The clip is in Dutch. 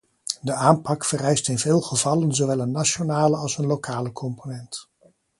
De aanpak vereist in veel gevallen zowel een nationale als een lokale component.